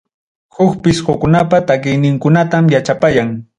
Huk pisqukunapa takiyninkunatam yachapayan.